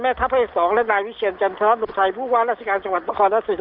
แม่ท่าพระเจ้าสองและนายวิเชียรจันทร์ธรรมไทยผู้ว่าราชิกาลจังหวัดประคอร์นรัฐศิรภาค